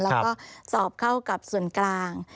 แล้วก็สอบเข้ากับส่วนกลาง